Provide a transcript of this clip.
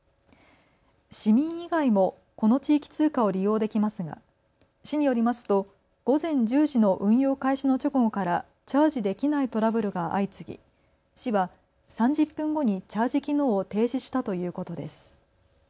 市民以外もこの地域通貨を利用できますが市によりますと午前１０時の運用開始の直後からチャージできないトラブルが相次ぎ市は３０分後にチャージ機能を停止したということです。